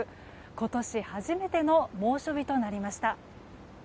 今年初めての猛暑日となりました。